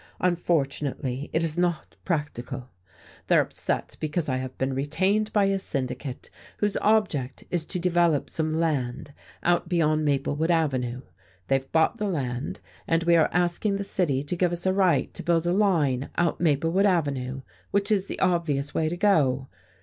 Unfortunately, it is not practical. They're upset because I have been retained by a syndicate whose object is to develop some land out beyond Maplewood Avenue. They've bought the land, and we are asking the city to give us a right to build a line out Maplewood Avenue, which is the obvious way to go.